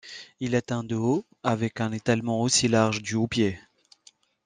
Il atteint de haut, avec un étalement aussi large du houppier.